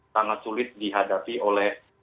sangat sulit dihadapi oleh